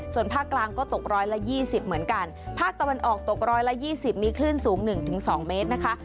ส่วนภาคกลางก็ตกร้อยละยี่สิบเหมือนกันภาคตะวันออกตกร้อยละยี่สิบมีคลื่นสูงหนึ่งถึงสองเมตรนะคะ